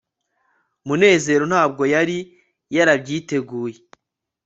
munezero ntabwo yari yarabyiteguye